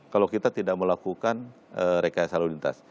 kita sudah tidak melakukan rekayasa lalu lintas